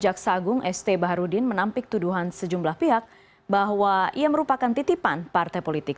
jaksa agung st baharudin menampik tuduhan sejumlah pihak bahwa ia merupakan titipan partai politik